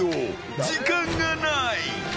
時間がない。